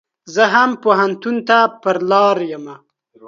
زه هم پو هنتون ته پر لار يم.